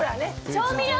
調味料